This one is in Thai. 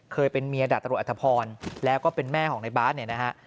เป็นเมียดาบตำรวจอธพรแล้วก็เป็นแม่ของในบาสเนี่ยนะฮะ